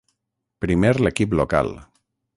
Primer l'equip local.